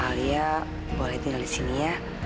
alia boleh tinggal disini ya